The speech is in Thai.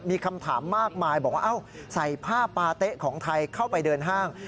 มีคำถามมากมายบอกว่าเอ้าใส่ผ้าปาเต๊ะของไทยเข้าไปเดินห้าง